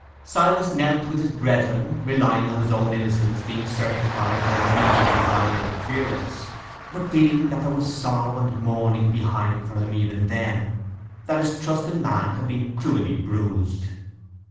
Silas knelt with his brethren, relying on his own innocence being certified by immediate divine interference, but feeling that there was sorrow and mourning behind for him even then—that his trust in man had been cruelly bruised.